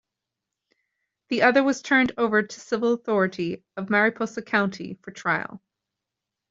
The other was turned over to civil authority of Mariposa County for trial.